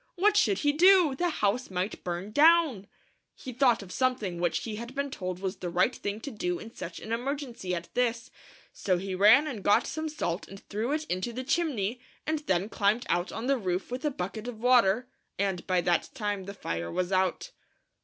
What should he do ? The house might burn down ! He thought of something which he had been told was the right thing to do in such an emergency as this, so he ran and got some salt and threw it into the chim ney, and then climbed out on the roof with a bucket of water — and by that time the fire was out.